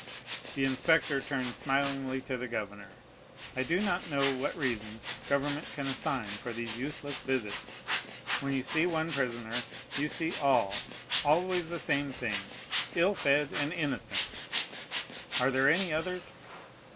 The inspector turned smilingly to the governor. "I do not know what reason government can assign for these useless visits; when you see one prisoner, you see all,—always the same thing,—ill fed and innocent. Are there any others?"